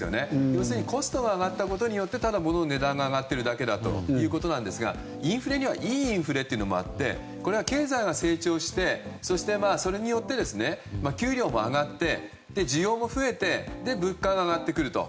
要するにコストが上がったことによって物の値段が上がっているだけだということですがインフレにはいいインフレもあってこれは経済が成長してそれによって給料も上がって需要も増えて物価が上がってくると。